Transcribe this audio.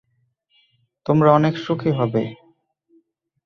তোমরা অনেক সুখী হবে!